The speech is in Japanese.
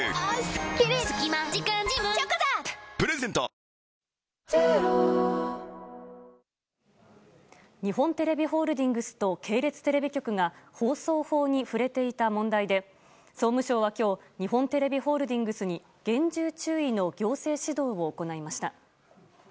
三菱電機日本テレビホールディングスと系列テレビ局が放送法に触れていた問題で総務省は今日日本テレビホールディングスに厳重注意の行政指導を行いました。